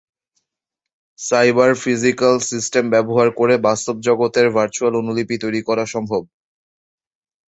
Cyber physical system ব্যবহার করে বাস্তব জগতের ভার্চুয়াল অনুলিপি তৈরী করা সম্ভব।